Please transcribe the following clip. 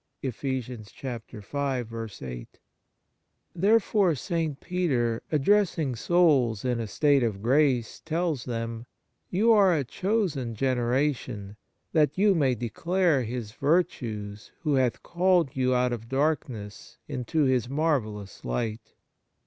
1 Therefore St. Peter, addressing souls in a state of grace, tells them: " You are a chosen generation ... that you may declare His virtues who hath called you out of darkness into His marvellous light."